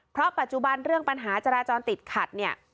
เพราะปัจจุบันเรื่องปัญหาจราจรติดขัดเนี่ย